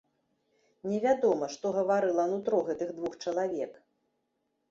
Невядома, што гаварыла нутро гэтых двух чалавек.